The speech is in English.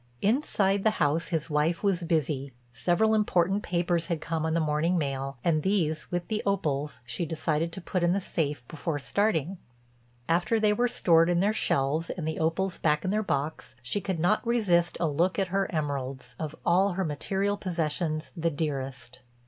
Inside the house his wife was busy. Several important papers had come on the morning mail and these, with the opals, she decided to put in the safe before starting. After they were stored in their shelves and the opals back in their box she could not resist a look at her emeralds, of all her material possessions the dearest.